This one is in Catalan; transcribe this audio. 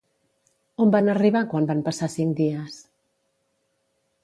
On van arribar quan van passar cinc dies?